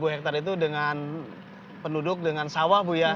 empat belas ribu hektar itu dengan penduduk dengan sawah bu ya